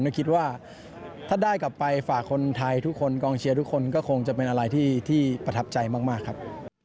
คิดว่าถ้าได้กลับไปฝากคนไทยทุกคนกองเชียร์ทุกคนก็คงจะเป็นอะไรที่ประทับใจมากครับ